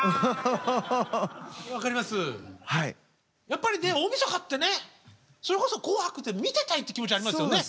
やっぱりね大みそかってねそれこそ「紅白」って見てたいって気持ちありますよね？